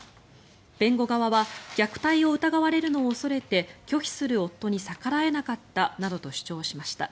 弁護側は虐待を疑われるのを恐れて拒否する夫に逆らえなかったなどと主張しました。